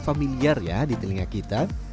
familiar ya di telinga kita